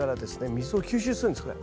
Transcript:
水を吸収するんですこれ。